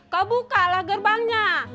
kau bukalah gerbangnya